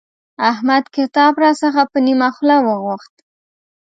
احمد کتاب راڅخه په نيمه خوله وغوښت.